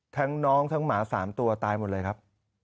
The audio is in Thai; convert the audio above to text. น้องทั้งหมา๓ตัวตายหมดเลยครับ